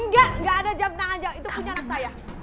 gak gak ada jam tangan itu punya anak saya